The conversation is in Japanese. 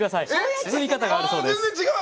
包み方があるそうです。